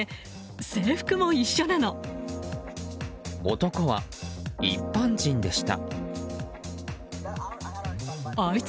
男は一般人でした。